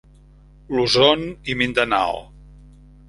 Luzon i Mindanao.